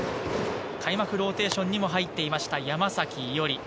開幕ローテーションにも入っていました山崎伊織。